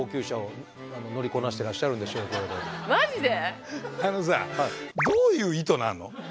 マジで？